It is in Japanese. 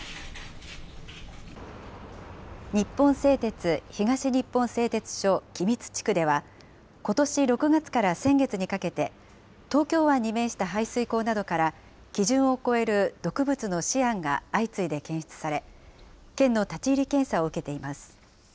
日本製鉄東日本製鉄所君津地区ではことし６月から先月にかけて、東京湾に面した排水口などから基準を超える毒物のシアンが相次いで検出され、県の立ち入り検査を受けています。